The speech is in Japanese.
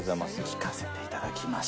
聴かせていただきました。